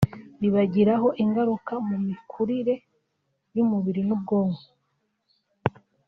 bibagiraho ingaruka mu mikurire y’umubiri n’ubwonko